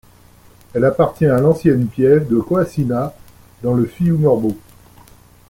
Elle appartient à l'ancienne piève de Coasina, dans le Fiumorbo.